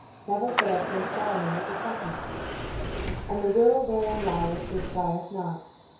never failed to inspire me with the sentiment: "And the will therein lieth, which dieth not.